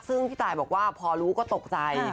ซึ่งพี่ตายบอกว่าพอรู้ก็ตกใจ